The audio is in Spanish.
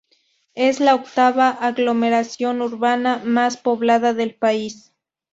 Es la octava aglomeración urbana mas poblada del país.